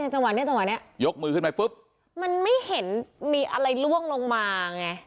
จังหวะนี้จังหวะนี้ยกมือขึ้นไปปุ๊บมันไม่เห็นมีอะไรล่วงลงมาไง